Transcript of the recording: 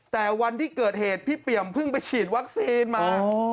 แต่วันที่เกิดเหตุพี่เปี่ยมเพิ่งไปฉีดวัคซีนมา